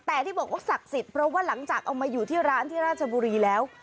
แต่ที่บอกว่าศักดิ์สิทธิ์เพราะว่าหลังจากเอามาอยู่ที่ร้านที่ราชบุรีแล้ว